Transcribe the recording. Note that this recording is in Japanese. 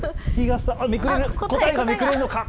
答えがめくれるのか。